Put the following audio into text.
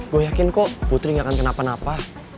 gue yakin kok putri gak akan kenapa napa